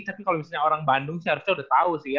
tapi kalau misalnya orang bandung sih harusnya udah tau sih ya